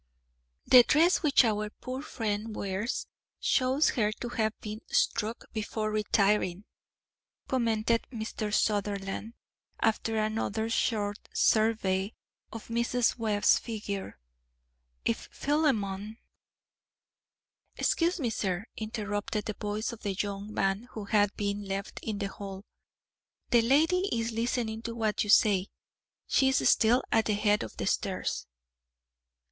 "The dress which our poor friend wears shows her to have been struck before retiring," commented Mr. Sutherland, after another short survey of Mrs. Webb's figure. "If Philemon " "Excuse me, sir," interrupted the voice of the young man who had been left in the hall, "the lady is listening to what you say. She is still at the head of the stairs."